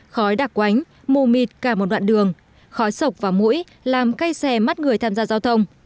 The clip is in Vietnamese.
khói đặc quánh mù mịt cả một đoạn đường khói sộc và mũi làm cây xe mắt người tham gia giao thông